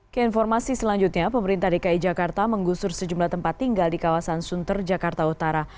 keinformasi selanjutnya pemerintah dki jakarta menggusur sejumlah tempat tinggal di kawasan sunter jakarta utara